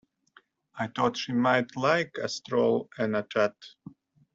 I thought she might like a stroll and a chat.